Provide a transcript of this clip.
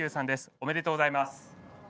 おめでとうございます。